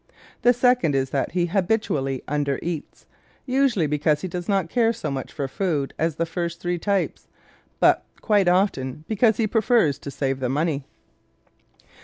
The second is that he habitually under eats usually because he does not care so much for food as the first three types, but quite often because he prefers to save the money.